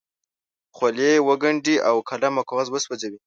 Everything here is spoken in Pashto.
خولې وګنډي او قلم او کاغذ وسوځوي.